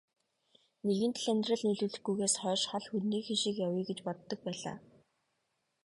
Нэгэнт л амьдрал нийлүүлэхгүйгээс хойш хол хөндийхөн шиг явъя гэж боддог байлаа.